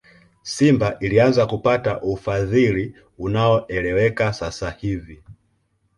simba ilianza kupata ufadhili unaoeleweka sasa hivi